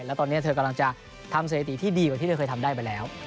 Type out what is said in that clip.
แล้วตอนนี้เธอกำลังจะทำสถิติที่ดีกว่าที่เธอเคยทำได้ไปแล้ว